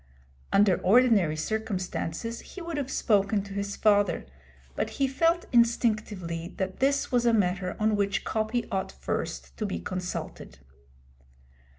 Under ordinary circumstances he would have spoken to his father, but he felt instinctively that this was a matter on which Coppy ought first to be consulted.